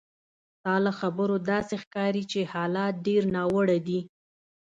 ستا له خبرو داسې ښکاري چې حالات ډېر ناوړه دي.